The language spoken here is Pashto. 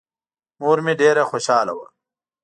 مور مې ډېره خوشحاله وه.